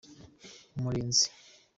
umurinzi.